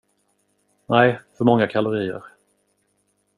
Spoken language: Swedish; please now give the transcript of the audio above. Nej, för många kalorier.